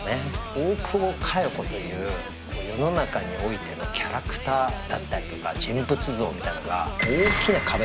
大久保佳代子という世の中においてのキャラクターだったりとか人物像みたいなのが。